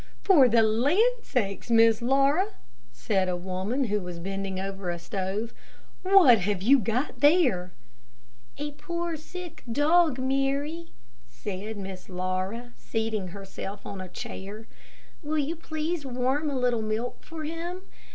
"For the land sakes, Miss Laura," said a woman who was bending over a stove, "what have you got there?" "A poor sick dog, Mary," said Miss Laura, seating herself on a chair. "Will you please warm a little milk for him?